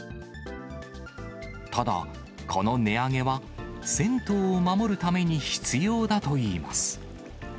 ただ、この値上げは銭湯を守るために必要だといいます。